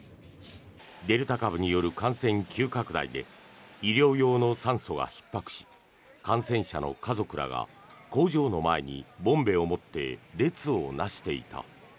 デルタ株による感染急拡大で医療用の酸素はひっ迫し感染者の家族らが工場の前にボンベを持って列を成していた。